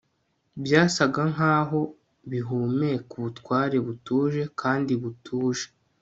Byasaga nkaho bihumeka ubutware butuje kandi butuje